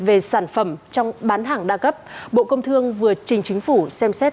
về sản phẩm trong bán hàng đa cấp bộ công thương vừa trình chính phủ xem xét